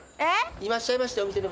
いらっしゃいましたお店の方が。